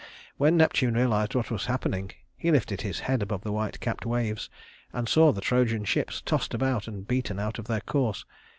When Neptune realized what was happening, he lifted his head above the white capped waves and saw the Trojan ships tossed about and beaten out of their course.